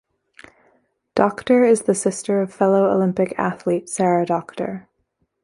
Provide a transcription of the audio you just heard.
Docter is the sister of fellow Olympic athlete Sarah Docter.